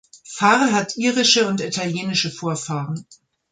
Farr hat irische und italienische Vorfahren.